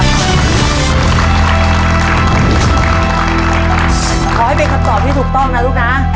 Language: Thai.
ขอให้เป็นคำตอบที่ถูกต้องนะลูกนะ